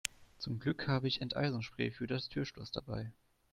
Zum Glück habe ich Enteisungsspray für das Türschloss dabei.